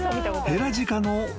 ヘラジカ？